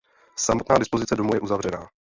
Samotná dispozice domu je uzavřená.